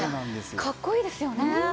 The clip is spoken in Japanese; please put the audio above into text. かっこいいですよね。